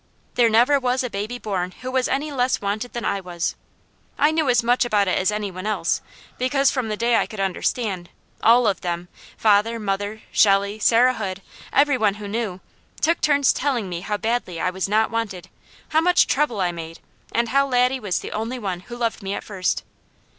There never was a baby born who was any less wanted than I was. I knew as much about it as any one else, because from the day I could understand, all of them, father, mother, Shelley, Sarah Hood, every one who knew, took turns telling me how badly I was not wanted, how much trouble I made, and how Laddie was the only one who loved me at first.